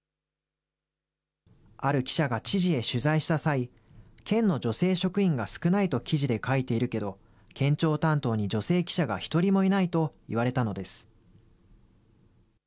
ある記者が知事へ取材した際、県の女性職員が少ないと記事で書いているけど、県庁担当に女性記者が一人もいないと言われたのです。